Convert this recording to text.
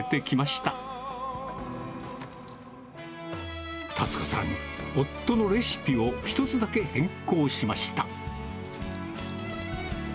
たつ子さん、夫のレシピを１つだけ変更しました。